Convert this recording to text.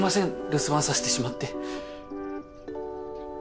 留守番させてしまって。